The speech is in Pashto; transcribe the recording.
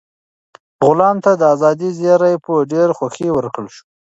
غلام ته د ازادۍ زېری په ډېره خوښۍ ورکړل شو.